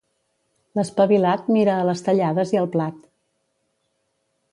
L'espavilat mira a les tallades i al plat.